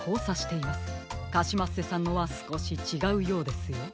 カシマッセさんのはすこしちがうようですよ。